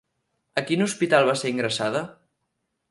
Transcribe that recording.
A quin hospital va ser ingressada?